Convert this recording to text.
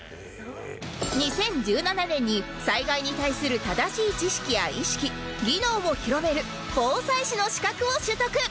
２０１７年に災害に対する正しい知識や意識技能を広める防災士の資格を取得